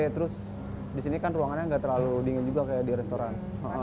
terus di sini kan ruangannya nggak terlalu dingin juga kayak di restoran